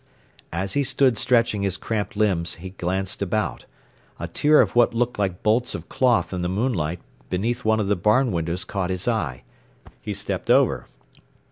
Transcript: As he stood stretching his cramped limbs, he glanced about. A tier of what looked like bolts of cloth in the moonlight beneath one of the barn windows caught his eye. He stepped over.